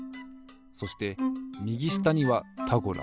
そしてみぎしたには「タゴラ」。